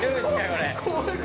これ。